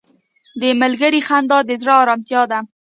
• د ملګري خندا د زړه ارامتیا ده.